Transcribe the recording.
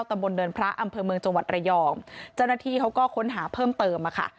ตำบลเนินพระอำเภอเมืองจังหวัดระยองเจ้าหน้าที่เขาก็ค้นหาเพิ่มเติมอ่ะค่ะ